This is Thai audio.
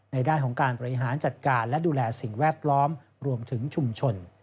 ในด้านของการบริหารจัดการและดูแลสิ่งแวดล้อมรวมถึงชุมชน